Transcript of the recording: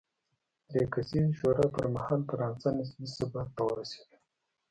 درې کسیزې شورا پر مهال فرانسه نسبي ثبات ته ورسېده.